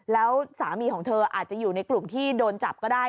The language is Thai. แล้วสามีของเธออาจจะอยู่ในกลุ่มที่โดนจับก็ได้